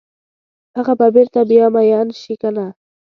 هغه به بیرته بیا میین شي کنه؟